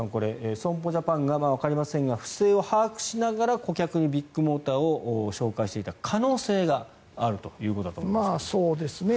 損保ジャパンがわかりませんが不正を把握しながら顧客にビッグモーターを紹介していた可能性があるということだと思いますが。